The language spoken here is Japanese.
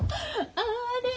あれ。